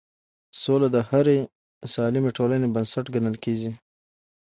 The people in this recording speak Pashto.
سوله د هرې سالمې ټولنې بنسټ ګڼل کېږي